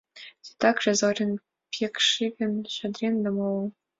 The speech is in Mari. Титакше Зоринын, Пекшиевын, Шадринын да молын.